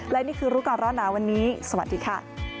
และนี่คือรูปกรรมรอดน้ำวันนี้สวัสดีค่ะ